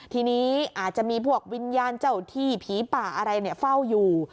ทีนี้อาจจะมีพวกวิญญาณเจ้าที่ผีป่าอะไรเฝ้าอยู่